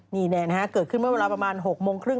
นี่นะฮะเกิดขึ้นเมื่อเวลาประมาณ๖โมงครึ่ง